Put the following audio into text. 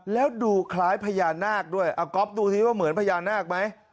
แล้วดูคล้ายพญานาคด้วยเอาก๊อฟดูสิว่าเหมือนพญานาคไหม